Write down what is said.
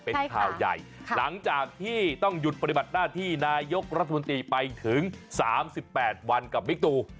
เป็นข่าวใหญ่หลังจากที่ต้องหยุดปฏิบัติหน้าที่นายกรัฐมนตรีไปถึง๓๘วันกับบิ๊กตู